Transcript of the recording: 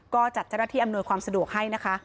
ก็จัดเจ้าหน้าที่อำนวยความสะดวกให้นะคะ